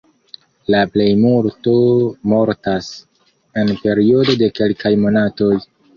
La plejmulto mortas en periodo de kelkaj monatoj.